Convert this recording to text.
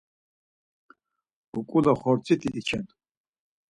Uǩule xortziti içen.